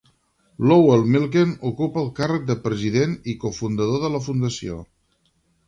Lowell Milken ocupa el càrrec de president i cofundador de la fundació.